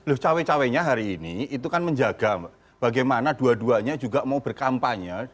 loh cawe cawe nya hari ini itu kan menjaga bagaimana dua duanya juga mau berkampanye